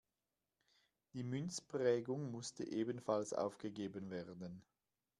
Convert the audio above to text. Die Münzprägung musste ebenfalls aufgegeben werden.